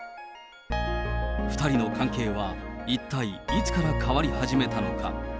２人の関係は一体いつから変わり始めたのか。